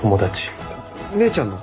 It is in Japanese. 姉ちゃんの？